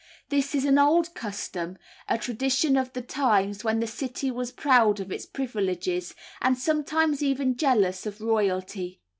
This is an old custom, a tradition of the times when the city was proud of its privileges, and sometimes even jealous of royalty.